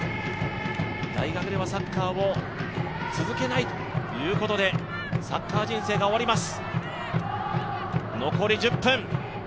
大学ではサッカーを続けないということでサッカー人生が終わります。